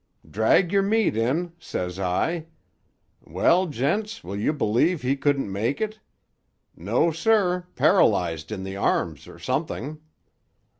'Drag your meat in,' says I. Well, gents, will you b'lieve he couldn't make it. No, sir; paralysed in the arms or something.